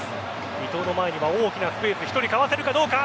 伊東の前には大きなスペース．１人かわせるかどうか。